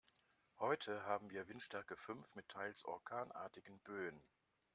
Heute haben wir Windstärke fünf mit teils orkanartigen Böen.